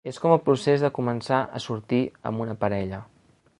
És com el procés de començar a sortir amb una parella.